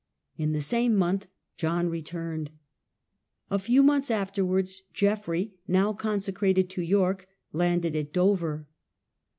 In the same. month John returned. A few months afterwiards Geoffrey, now consecrated to York, landed at Dover.